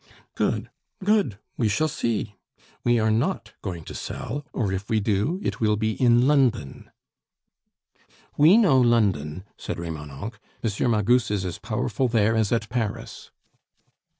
"Good, good, we shall see. We are not going to sell; or if we do, it will be in London." "We know London," said Remonencq. "M. Magus is as powerful there as at Paris."